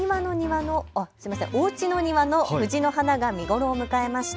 おうちの庭の藤の花が見頃を迎えました。